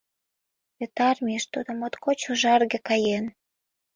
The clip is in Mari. Вет армийыш тудо моткоч ужарге каен.